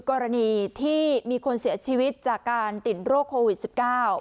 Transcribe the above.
กรณีที่มีคนเสียชีวิตจากการติดโรคโควิดสิบเก้า